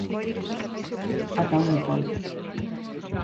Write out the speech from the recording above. Ata onde pode.